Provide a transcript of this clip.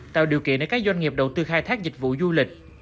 tạo điều kiện để các doanh nghiệp đầu tư khai thác dịch vụ du lịch